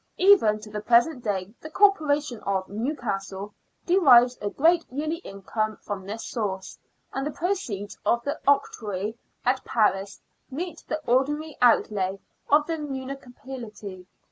Even to the present day the Corporation of Newcastle* derives a great yearly income from this source, and the proceeds of the octroi at Paris meet the ordinary outlay of the munici pality.